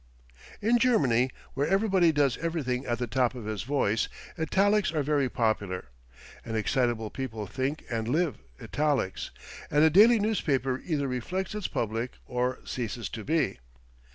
In Germany, where everybody does everything at the top of his voice, italics are very popular. An excitable people think and live italics, and a daily newspaper either reflects its public or ceases to be.